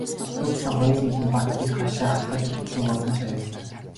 Түүнчлэн хоёуланд нь бат бэх хашаа хатгаж өгөхгүй бол маш аюултай.